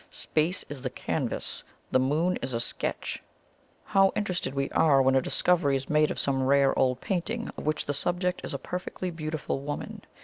Space is the canvas the Moon is a sketch. How interested we are when a discovery is made of some rare old painting, of which the subject is a perfectly beautiful woman!